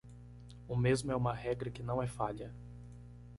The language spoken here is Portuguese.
O mesmo é uma regra que não é falha.